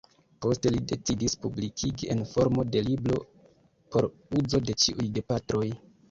Poste li decidis publikigi en formo de libro por uzo de ĉiuj gepatroj.